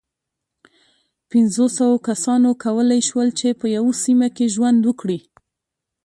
پينځو سوو کسانو کولی شول، چې په یوه سیمه کې ژوند وکړي.